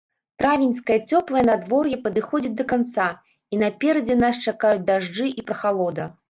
Травеньскае цёплае надвор'е падыходзіць да канца, і наперадзе нас чакаюць дажджы і прахалода.